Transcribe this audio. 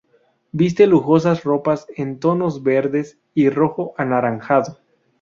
Viste lujosas ropas en tonos verdes y rojo anaranjado.